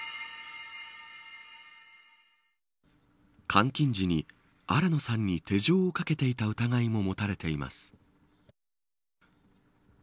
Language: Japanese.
監禁時に新野さんに手錠をかけていた疑いも持たれています。